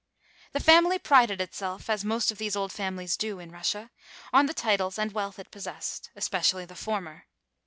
The family prided itself, as most of the old families do in Russia, on the titles and wealth it possessed, especially the former.